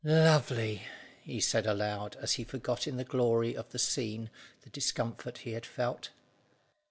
"Lovely!" he said aloud, as he forgot in the glory of the scene the discomfort he had felt.